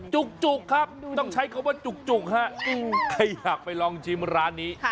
จุกครับต้องใช้คำว่าจุกฮะใครอยากไปลองชิมร้านนี้